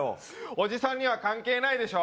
おじさんには関係ないでしょ